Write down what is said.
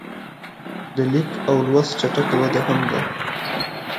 د لیک او لوست چټکه وده هم ده.